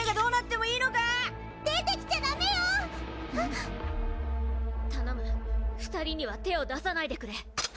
たのむ２人には手を出さないでくれ。